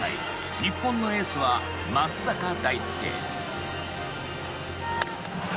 日本のエースは松坂大輔。